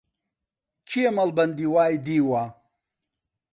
کێ مەڵبەندی وای دیوە؟